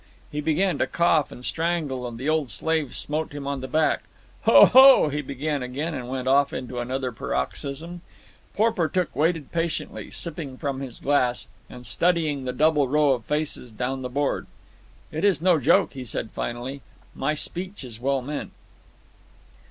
He began to cough and strangle, and the old slaves smote him on the back. "Ho! ho!" he began again, and went off into another paroxysm. Porportuk waited patiently, sipping from his glass and studying the double row of faces down the board. "It is no joke," he said finally. "My speech is well meant."